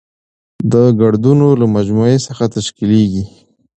د ګړدودونو له مجموعه څخه تشکېليږي.